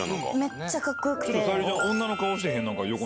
めっちゃかっこよくて。